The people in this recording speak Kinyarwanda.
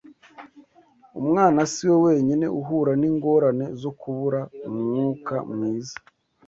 Umwana si we wenyine uhura n’ingorane zo kubura umwuka mwiza